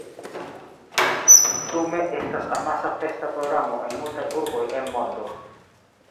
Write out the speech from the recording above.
Dume estas amasa festa programo en multaj urboj en mondo.